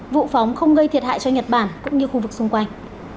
vụ phóng không gây thiệt hại cho nhật bản cũng như khu vực xung quanh